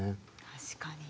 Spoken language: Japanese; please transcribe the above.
確かに。